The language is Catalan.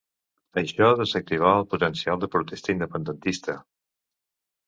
Això desactivà el potencial de protesta independentista.